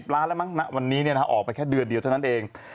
ล้านแล้วมั้งณวันนี้ออกไปแค่เดือนเดียวเท่านั้นเอง